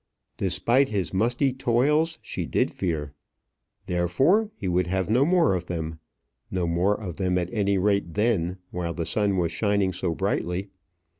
Despite his musty toils, she did fear. Therefore, he would have no more of them. No more of them at any rate then, while the sun was shining so brightly.